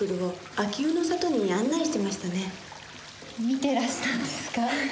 見てらしたんですか？